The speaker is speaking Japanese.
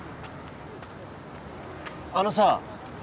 あのさ。